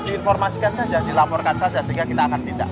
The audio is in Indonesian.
diinformasikan saja dilaporkan saja sehingga kita akan tindak